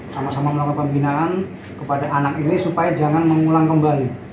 sama sama melakukan pembinaan kepada anak ini supaya jangan mengulang kembali